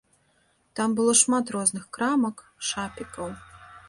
Там было шмат розных крамак, шапікаў.